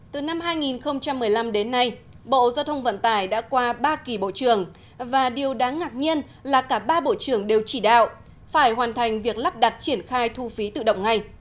từ năm hai nghìn một mươi năm đến nay bộ giao thông vận tải đã qua ba kỳ bộ trưởng và điều đáng ngạc nhiên là cả ba bộ trưởng đều chỉ đạo phải hoàn thành việc lắp đặt triển khai thu phí tự động ngay